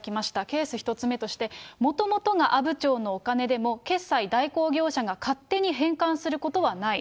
ケース１つ目として、もともとが阿武町のお金でも、決済代行業者が勝手に変換することはない。